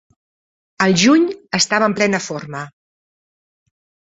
Al juny estava en plena forma.